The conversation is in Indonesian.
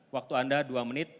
waktu anda dua menit